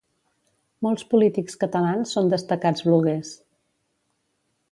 Molts polítics catalans són destacats bloguers.